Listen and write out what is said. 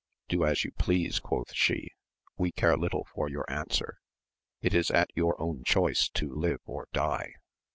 Do as you please, quoth she, we care little for your answer : it is at your own choice to live or die.